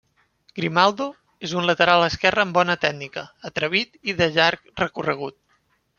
Grimaldo, és un lateral esquerre amb bona tècnica, atrevit i de llarg recorregut.